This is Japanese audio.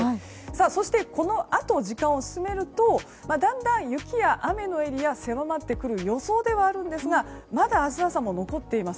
そして、このあと時間を進めるとだんだん、雪や雨のエリアは狭まってくる予想ではあるんですがまだ明日朝も残っています。